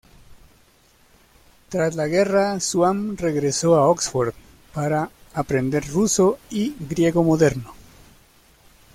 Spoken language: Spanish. Tras la guerra, Swann regresó a Oxford para aprender ruso y griego moderno.